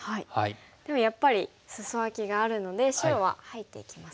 でもやっぱりスソアキがあるので白は入っていきますか。